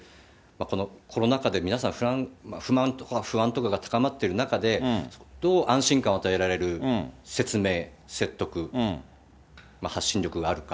このコロナ禍で皆さん、不満とか不安とかが高まっている中で、どう安心感を与えられる説明、説得、発信力があるか。